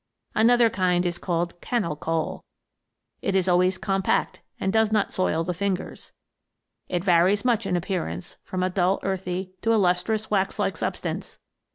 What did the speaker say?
Another kind is called T 2 276 THE GNOMES. cannel coal. Ib is always compact, and does not soil the fingers. It varies much in appearance, from a dull earthy to a lustrous wax like substance.